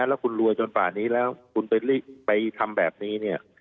แล้วคุณรวยจนป่านี้แล้วคุณไปทำแบบนี้เนี่ย